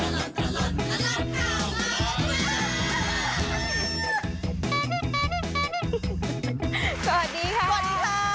สวัสดีค่ะ